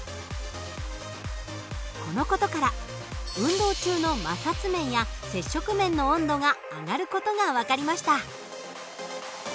この事から運動中の摩擦面や接触面の温度が上がる事が分かりました。